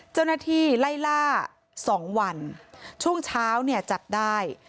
เจ้าหน้าที่ไล่ล่าสองวันช่วงเช้าเนี่ยจับได้